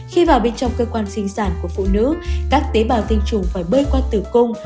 khi vào bên trong cơ quan sinh sản của phụ nữ các tế bào tinh trùng phải bơi qua tử cung